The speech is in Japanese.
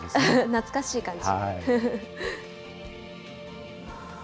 懐かしい感じ。